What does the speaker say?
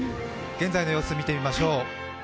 現在の様子を見てみましょう。